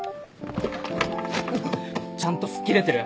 ちゃんと吹っ切れてる？